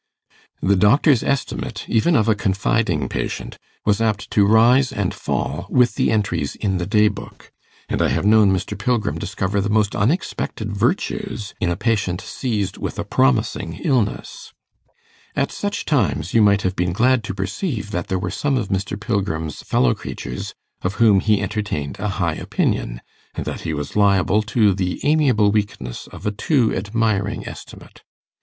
The doctor's estimate, even of a confiding patient, was apt to rise and fall with the entries in the day book; and I have known Mr. Pilgrim discover the most unexpected virtues in a patient seized with a promising illness. At such times you might have been glad to perceive that there were some of Mr. Pilgrim's fellow creatures of whom he entertained a high opinion, and that he was liable to the amiable weakness of a too admiring estimate.